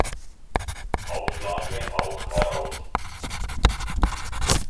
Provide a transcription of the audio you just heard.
Auflage auch heraus.